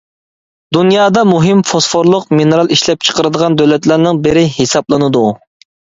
دۇنيادا مۇھىم فوسفورلۇق مىنېرال ئىشلەپچىقىرىدىغان دۆلەتلەرنىڭ بىرى ھېسابلىنىدۇ.